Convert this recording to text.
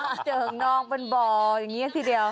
เจิ่งนองเป็นบ่ออย่างนี้ทีเดียว